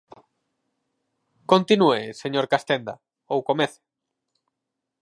Continúe, señor Castenda, ou comece.